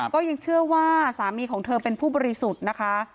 ก็ยังเชื่อว่าสามีของเธอเป็นผู้บริสุทธิ์นะคะ